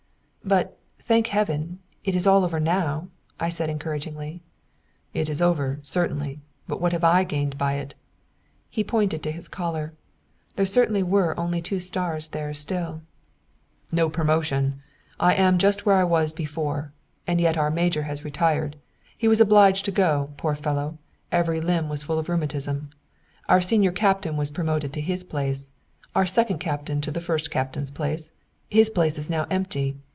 "But, thank Heaven, it is all over now!" said I encouragingly. "It is over, certainly. But what have I gained by it?" He pointed to his collar. There certainly were only two stars there still. "No promotion. I am just where I was before. And yet our major has retired. He was obliged to go, poor fellow; every limb was full of rheumatism. Our senior captain was promoted to his place, our second captain into the first captain's place. His place is now empty.